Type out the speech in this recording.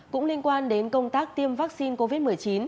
cũng liên quan đến công tác tiêm vaccine covid một mươi chín